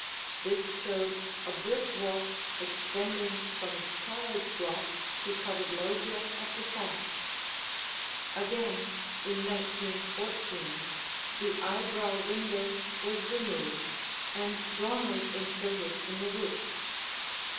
This showed a brick walk extending from carriage block to covered loggia at the south. Again in 1914 the eyebrow window was removed, and dormers inserted in the roof.